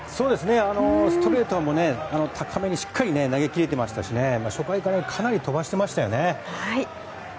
ストレートを高めにしっかり投げ切れていましたし、初回からかなり飛ばしていましたよね。